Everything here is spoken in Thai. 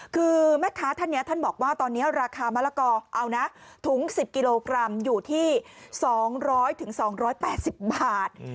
คือแม่ค้าท่านนี้ท่านบอกว่าตอนนี้ราคามะละกอเอานะถุง๑๐กิโลกรัมอยู่ที่๒๐๐๒๘๐บาท